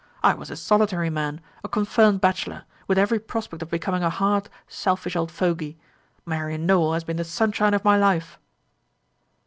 I was a solitary man, a confirmed bachelor, with every prospect of becoming a hard, selfish old fogey. Marian Nowell has been the sunshine of my life!"